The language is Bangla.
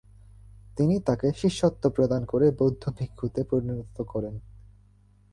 তিনি তাকে শিষ্যত্ব প্রদান করে বৌদ্ধ ভিক্ষুতে পরিণত করেন।